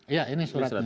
iya ini suratnya